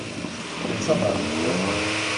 Els abernus, d asemmiḍ.